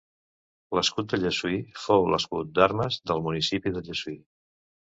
L'escut de Llessui fou l'escut d'armes del municipi de Llessui.